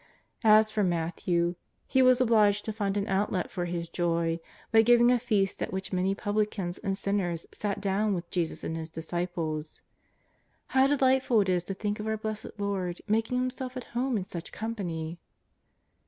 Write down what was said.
As for Matthew, he was obliged to find an outlet for his joy by giving a feast at which many publicans and sin ners sat down with Jesus and His disciples. How de lightful it is to think of our Blessed Lord making Him self at home in such company